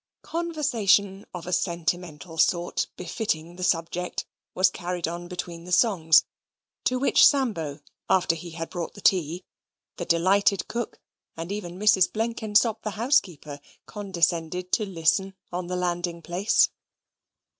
Conversation of a sentimental sort, befitting the subject, was carried on between the songs, to which Sambo, after he had brought the tea, the delighted cook, and even Mrs. Blenkinsop, the housekeeper, condescended to listen on the landing place.